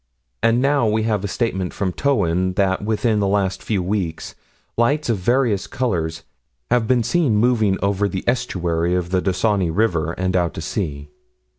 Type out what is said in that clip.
And now we have a statement from Towyn that within the last few weeks lights of various colors have been seen moving over the estuary of the Dysynni River, and out to sea.